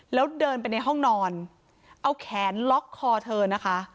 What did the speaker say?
แล้วเดินไปในห้องนอนเอาแขนล็อกคอเธอนะคะ